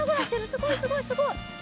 すごいすごいすごい。